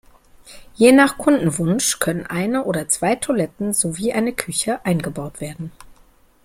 Je nach Kundenwunsch können eine oder zwei Toiletten sowie eine Küche eingebaut werden.